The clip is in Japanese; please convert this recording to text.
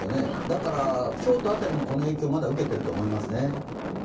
だから京都辺りもこの影響をまだ受けていると思いますね。